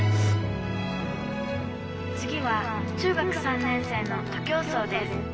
「次は中学３年生の徒競走です。